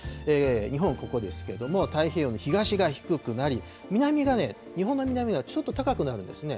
日本、ここですけれども、太平洋の東が低くなり、南側がね、日本の南がね、ちょっと高くなるんですね。